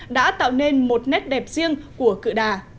đã tạo nên một nét đẹp riêng của cự đà